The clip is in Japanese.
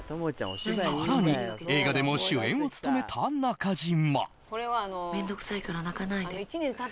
更に、映画でも主演を務めた中島。